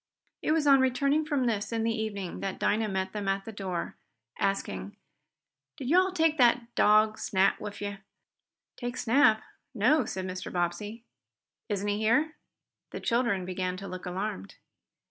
It was on returning from this, in the evening, that Dinah met them at the door, asking: "Did yo' all take dat dog Snap wif yo?" "Take Snap? No," said Mr. Bobbsey. "Isn't he here?" The children began to look alarmed.